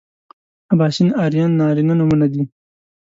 اباسین ارین نارینه نومونه دي